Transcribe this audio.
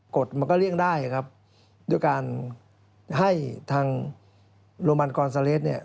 กฎมันก็เลี่ยงได้ครับด้วยการให้ทางโรมันกอนซาเลสเนี่ย